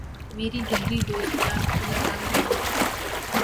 میری گہری دوستیاں تلہ گنگ میں ہیں۔